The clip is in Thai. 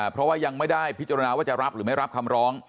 เพราะว่ายังไม่ได้พิจารณาว่าจะรับหรือไม่รับคำร้อง